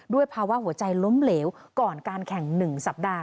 ภาวะหัวใจล้มเหลวก่อนการแข่ง๑สัปดาห